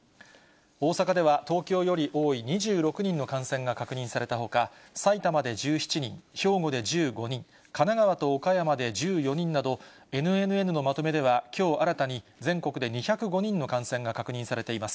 大阪では東京より多い２６人の感染が確認されたほか、埼玉で１７人、兵庫で１５人、神奈川と岡山で１４人など、ＮＮＮのまとめでは、きょう新たに、全国で２０５人の感染が確認されています。